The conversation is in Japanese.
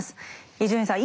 伊集院さん